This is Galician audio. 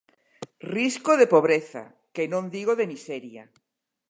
Risco de pobreza, que non digo de miseria.